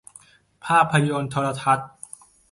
ภาพยนตร์โทรทัศน์